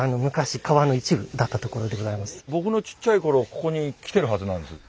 僕のちっちゃい頃ここに来てるはずなんです。